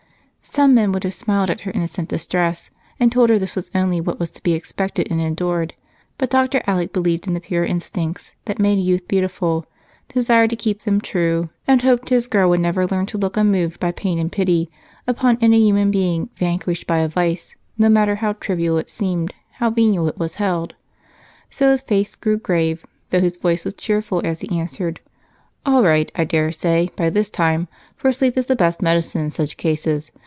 Some men would have smiled at her innocent distress and told her this was only what was to be expected and endured, but Dr. Alec believed in the pure instincts that make youth beautiful, desired to keep them true, and hoped his girl would never learn to look unmoved by pain and pity upon any human being vanquished by a vice, no matter how trivial it seemed, how venial it was held. So his face grew grave, though his voice was cheerful as he answered: "All right, I daresay, by this time, for sleep is the best medicine in such cases.